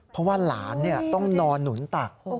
เพราะว่าหลานต้องนอนหนุนตัก